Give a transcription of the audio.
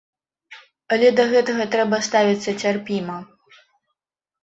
Але да гэтага трэба ставіцца цярпіма.